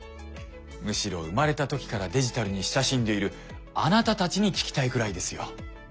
むしろ生まれた時からデジタルに親しんでいるあなたたちに聞きたいくらいですよ。